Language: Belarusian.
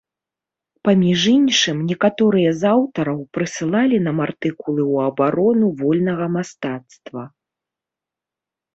Паміж іншым, некаторыя з аўтараў прысылалі нам артыкулы ў абарону вольнага мастацтва.